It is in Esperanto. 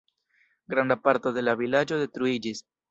Granda parto de la vilaĝo detruiĝis.